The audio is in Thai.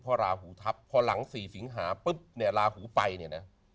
เพราะราหูทัพพอหลัง๔สิงหาปุ๊บเนี่ยลาหูไปเนี่ยนะ